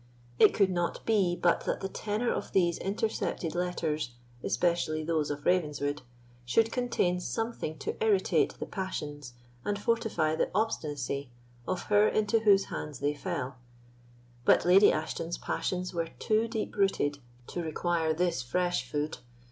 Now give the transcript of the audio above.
It could not be but that the tenor of these intercepted letters, especially those of Ravenswood, should contain something to irritate the passions and fortify the obstinacy of her into whose hands they fell; but Lady Ashton's passions were too deep rooted to require this fresh food.